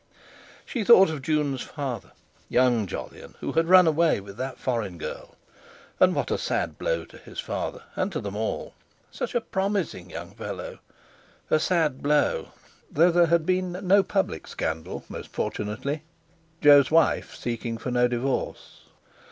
She thought of Jun's father, young Jolyon, who had run away with that foreign girl. And what a sad blow to his father and to them all. Such a promising young fellow! A sad blow, though there had been no public scandal, most fortunately, Jo's wife seeking for no divorce!